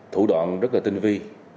thủ đoạn rất là tinh vi